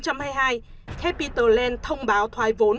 capitol land thông báo thoái vốn